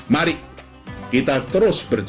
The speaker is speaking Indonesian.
mari kita terus berjalan